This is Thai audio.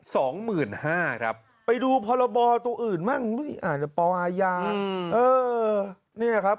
สองหมื่นห้าครับไปดูพรบตัวอื่นบ้างอาจจะปอาญาเออเนี่ยครับ